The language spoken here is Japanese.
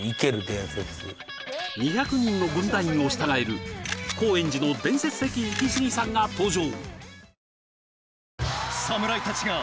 ２００人の軍団員を従える高円寺の伝説的イキスギさんが登場！